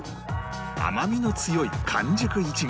甘みの強い完熟イチゴ